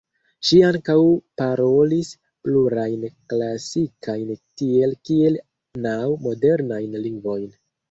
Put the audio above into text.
Ŝi ankaŭ parolis plurajn klasikajn tiel kiel naŭ modernajn lingvojn.